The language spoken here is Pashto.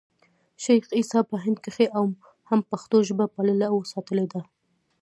شېخ عیسي په هند کښي هم پښتو ژبه پاللـې او ساتلې ده.